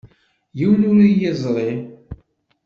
Yiwen ur iyi-yeẓri.